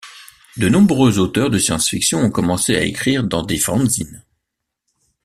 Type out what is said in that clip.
De nombreux auteurs de science-fiction ont commencé à écrire dans des fanzines.